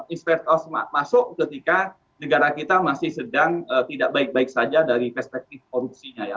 investor masuk ketika negara kita masih sedang tidak baik baik saja dari perspektif korupsinya